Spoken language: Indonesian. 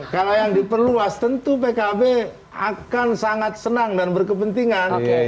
kalau yang diperluas tentu pkb akan sangat senang dan berkepentingan